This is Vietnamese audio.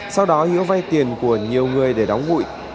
sau đó hiếu vay tiền của nhiều người để đóng hụi